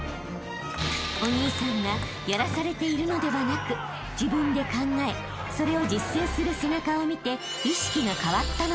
［お兄さんがやらされているのではなく自分で考えそれを実践する背中を見て］